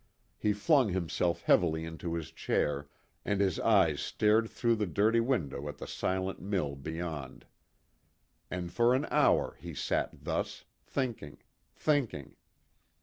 He flung himself heavily into his chair, and his eyes stared through the dirty window at the silent mill beyond. And for an hour he sat thus, thinking, thinking.